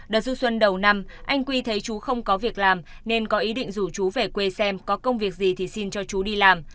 đợt du xuân đầu năm anh quy thấy chú không có việc làm nên có ý định rủ chú về quê xem có công việc gì thì xin cho chú đi làm